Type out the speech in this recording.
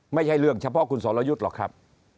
ไม่ใช่เรื่องเฉพาะคุณสรยุทธ์หรอกครับ